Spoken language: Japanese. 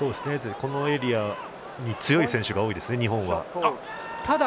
このエリアに強い選手が多いですね、日本は。